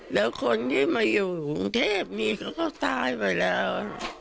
แล้วคนที่มาอยู่กรุงเทพนี้เขาก็ตายไปแล้ว